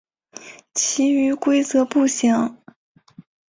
其余规则不详。